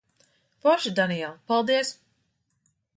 Forši, Daniel. Paldies.